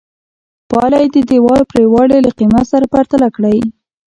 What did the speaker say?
پایله یې د دیوال پرېړوالي له قېمت سره پرتله کړئ.